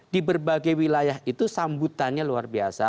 di berbagai wilayah itu sambutannya luar biasa